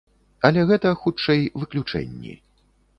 Але гэта, хутчэй, выключэнні.